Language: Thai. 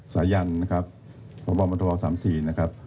สายันนะครับพระบอบบรรทธวะสามสี่นะครับ